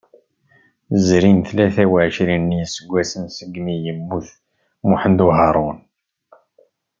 Zrin tlata uɛecrin n yiseggasen segmi yemmut Muḥemmed Uharun.